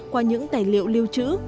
qua những tài liệu lưu trữ